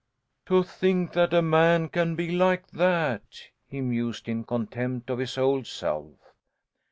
"To think that a man can be like that!" he mused in contempt of his old self.